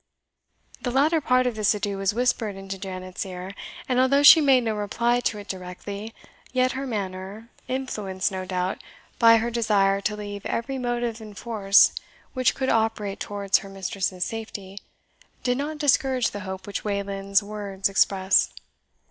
The latter part of this adieu was whispered into Janet's ear and although she made no reply to it directly, yet her manner, influenced, no doubt, by her desire to leave every motive in force which could operate towards her mistress's safety, did not discourage the hope which Wayland's words expressed.